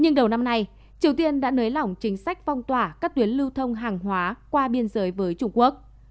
nhưng đầu năm nay triều tiên đã nới lỏng chính sách phong tỏa các tuyến lưu thông hàng hóa qua biên giới với trung quốc